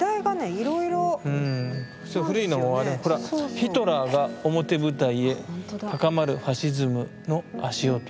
「ヒトラーが表舞台へ高まるファシズムの足音」。